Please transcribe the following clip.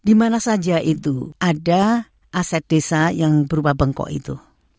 di mana saja itu ada aset desa yang berupa bengkok itu